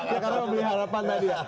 ya karena memiliki harapan tadi ya